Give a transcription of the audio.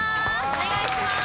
お願いします！